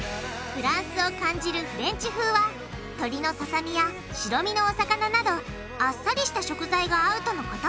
フランスを感じるフレンチ風は鶏のささみや白身のお魚などあっさりした食材が合うとのこと。